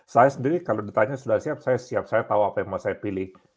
saya sendiri kalau ditanya sudah siap saya tahu apa yang mau saya pilih